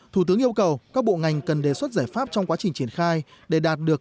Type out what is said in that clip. thủ tướng yêu cầu các bộ ngành cần đề xuất giải pháp trong quá trình triển khai để đạt được